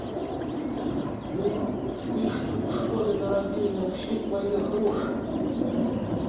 Ну, ты ж тут шкоды нарабіў на ўсе твае грошы.